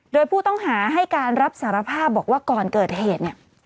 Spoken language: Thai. โดยผู้ต้องหาให้การรับสารภาพบอกว่าก่อนเกิดเหตุเนี่ย